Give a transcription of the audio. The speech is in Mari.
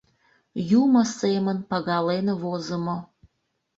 Юмо семын пагален возымо.